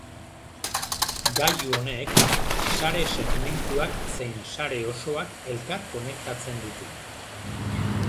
Gailu honek sare-segmentuak zein sare osoak elkar konektatzen ditu.